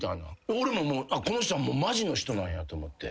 俺ももうこの人はマジの人なんやと思って。